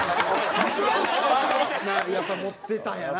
やっぱ持ってたんやな。